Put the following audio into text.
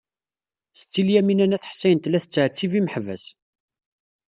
Setti Lyamina n At Ḥsayen tella tettɛettib imeḥbas.